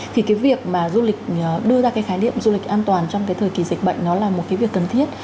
thì cái việc mà du lịch đưa ra cái khái niệm du lịch an toàn trong cái thời kỳ dịch bệnh nó là một cái việc cần thiết